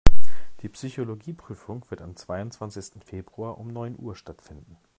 Die Psychologie-Prüfung wird am zweiundzwanzigsten Februar um neun Uhr stattfinden.